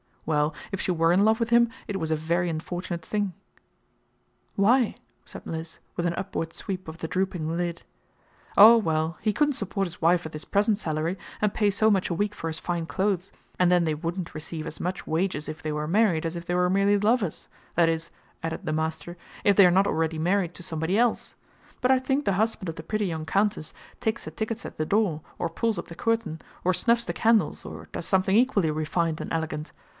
Well, if she were in love with him it was a very unfortunate thing! "Why?" said Mliss, with an upward sweep of the drooping lid. "Oh! well, he couldn't support his wife at his present salary, and pay so much a week for his fine clothes, and then they wouldn't receive as much wages if they were married as if they were merely lovers that is," added the master, "if they are not already married to somebody else; but I think the husband of the pretty young countess takes the tickets at the door, or pulls up the curtain, or snuffs the candles, or does something equally refined and elegant.